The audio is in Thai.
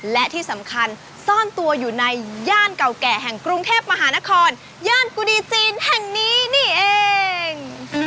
และที่สำคัญซ่อนตัวอยู่ในย่านเก่าแก่แห่งกรุงเทพมหานครย่านกุดีจีนแห่งนี้นี่เอง